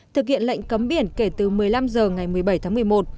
thực hiện lệnh cấm biển kể từ một mươi năm h ngày một mươi bảy tháng một mươi một